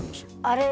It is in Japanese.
あれ